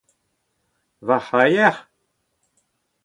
Ma c’haier ?